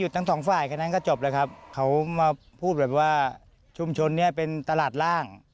ทั้งสองฝ่ายแค่นั้นก็จบแล้วครับเขามาพูดแบบว่าชุมชนนี้เป็นตลาดร่าง